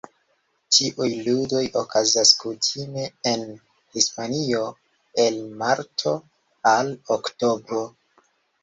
Tiuj ludoj okazas kutime en Hispanio el marto al oktobro.